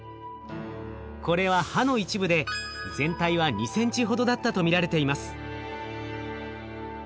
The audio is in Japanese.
これは歯の一部で全体は２ｃｍほどだったと見られています。